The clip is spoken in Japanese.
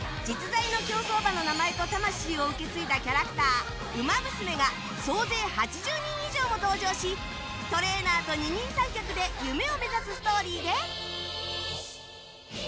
実在の競走馬の名前と魂を受け継いだキャラクターウマ娘が総勢８０人以上も登場しトレーナーと二人三脚で夢を目指すストーリーで。